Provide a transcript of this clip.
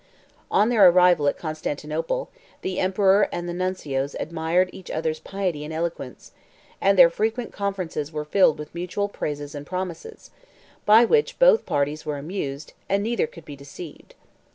On their arrival at Constantinople, the emperor and the nuncios admired each other's piety and eloquence; and their frequent conferences were filled with mutual praises and promises, by which both parties were amused, and neither could be deceived.